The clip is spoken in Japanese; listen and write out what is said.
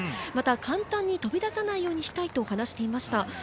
簡単に飛び出さないようにしたいと話していました。